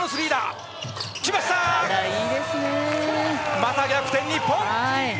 また逆転、日本！